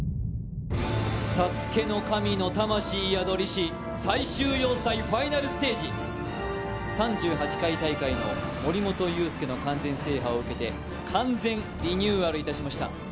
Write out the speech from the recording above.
ＳＡＳＵＫＥの神の魂やどりし最終要塞、ファイナルステージ３８回大会の森本裕介の完全制覇を受けて完全リニューアルいたしました。